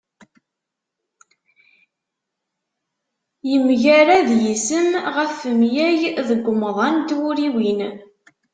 Yemgarad yisem ɣef umyag deg umḍan n twuriwin.